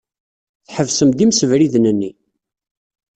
Tḥebsem-d imsebriden-nni.